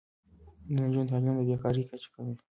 د نجونو تعلیم د بې کارۍ کچه کموي.